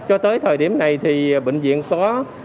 cho tới thời điểm này thì bệnh viện có